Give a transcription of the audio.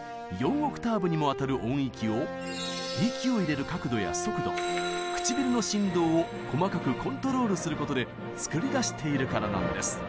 オクターブにもわたる音域を息を入れる角度や速度唇の振動を細かくコントロールすることで作り出しているからなんです。